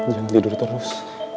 jangan tidur terus